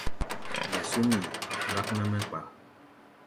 Mɛ súm yi, gbák ná mɛ́ kpaá.